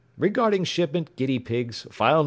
Regarding shipment guinea pigs, File No.